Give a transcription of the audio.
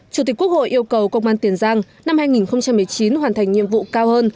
chủ tịch quốc hội yêu cầu công an tiền giang năm hai nghìn một mươi chín hoàn thành nhiệm vụ cao hơn